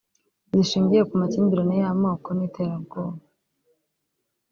zishingiye ku makimbirane y’amoko n’iterabwoba